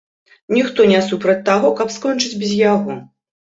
Ніхто не супраць таго, каб скончыць без яго.